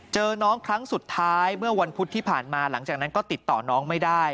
เจอน้องครั้งสุดท้ายเมื่อวันพุธที่ผ่านมาหลังจากนั้นก็ติดต่อน้องไม่ได้